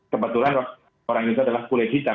kebetulan orang itu adalah kulit hitam